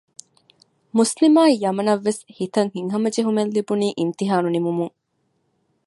މުސްލިމާއި ޔަމަނަށްވެސް ހިތަށް ހަމަޖެހުމެއްލިބުނީ އިމްތިހާނު ނިމުމުން